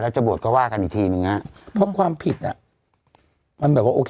จะบวชก็ว่ากันอีกทีหนึ่งฮะเพราะความผิดอ่ะมันแบบว่าโอเค